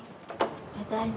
ただいま。